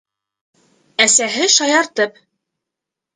Әсәһе, шаяртып: